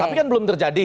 tapi kan belum terjadi